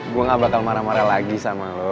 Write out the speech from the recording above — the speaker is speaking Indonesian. gue gak bakal marah marah lagi sama lo